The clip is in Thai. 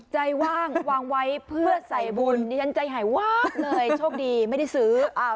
ใจว่างวางไว้เพื่อใส่บุญดิฉันใจหายวาบเลยโชคดีไม่ได้ซื้อ